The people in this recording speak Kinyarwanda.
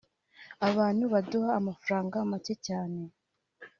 abantu baduha amafaranga macye cyane